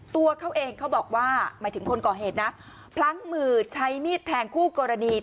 ตัวเขาเองเขาบอกว่าหมายถึงคนก่อเหตุนะพลั้งมือใช้มีดแทงคู่กรณี